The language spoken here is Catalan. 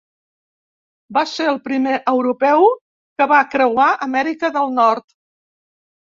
Va ser el primer europeu que va creuar Amèrica del Nord.